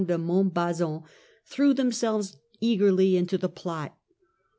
de Montbazon, threw themselves eagerly into the plot.